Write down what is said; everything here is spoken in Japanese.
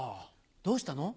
どうしたの？